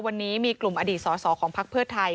วันนี้มีกลุ่มอดีตสอสอของพักเพื่อไทย